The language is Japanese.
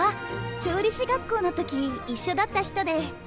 調理師学校の時一緒だった人で。